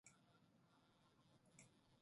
なんなんだよこのサイト